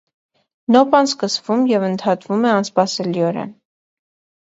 Նոպան սկսվում և ընդհատվում է անսպասելիորեն։